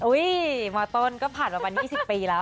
มต้นก็ผ่านประมาณ๒๐ปีแล้ว